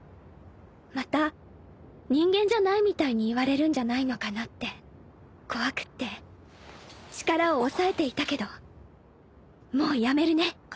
また人間じゃないみたいに言われるんじゃないのかなって怖くって力を抑えていたけどもうやめるね